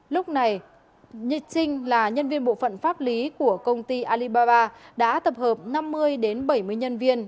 lúc này như trinh là nhân viên bộ phận pháp lý của công ty alibaba đã tập hợp năm mươi bảy mươi nhân viên